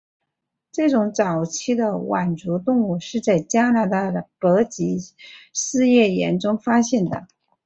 这种早期的腕足动物是在加拿大的伯吉斯页岩中发现的。